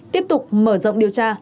tiếp tục mở rộng điều tra